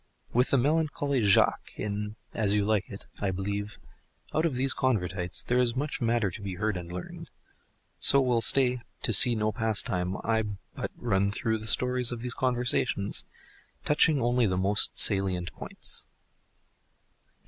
With the melancholy Jaques in "As You Like It," I believe: Out of these Convertites There is much matter to be heard and learned— so will stay "to see no pastime, I," but run through the stories of these conversions, touching only the most salient points.